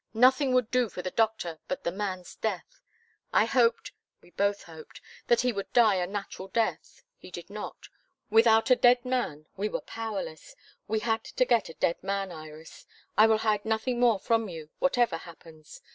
Nothing would do for the doctor but the man's death. I hoped we both hoped that he would die a natural death. He did not. Without a dead man we were powerless. We had to get a dead man, Iris, I will hide nothing more from you, whatever happens.